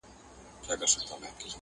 که دي زوی وي که دي ورور که دي بابا دی،